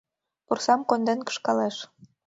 Пурсам конден кышкалеш.